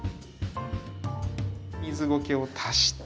水ゴケを足して。